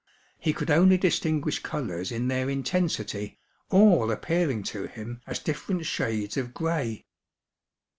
He could only distinguish colours in their intensity, all appearing to him as different shades of gray.